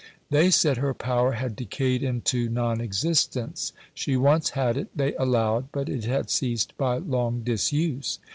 They said her power had decayed into non existence; she once had it, they allowed, but it had ceased by long disuse.